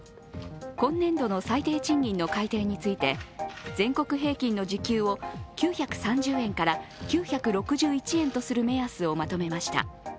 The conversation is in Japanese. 今年度の最低賃金の改定について全国平均の時給を９３０円から９６１円とする目安をまとめました。